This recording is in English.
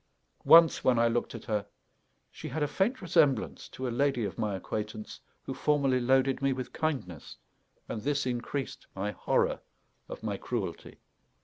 Once, when I looked at her, she had a faint resemblance to a lady of my acquaintance who formerly loaded me with kindness; and this increased my horror of my cruelty.